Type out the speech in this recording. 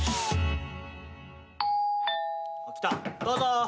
どうぞ。